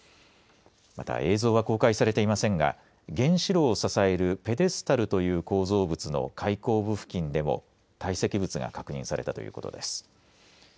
また映像は公開されていませんが原子炉を支えるペデスタルという構造物の開口部付近でも堆積物が確認されたということです。